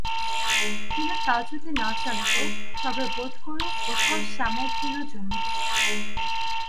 কিন্তু তা যদি না চলিত, তবে বোধ করি কোথাও শ্যামল তৃণ জন্মিত না।